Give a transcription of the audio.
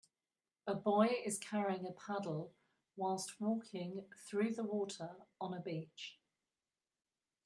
a boy is carrying a paddle whilst walking through the water on a beach.